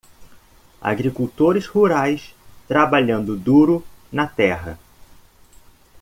Agricultores rurais trabalhando duro na terra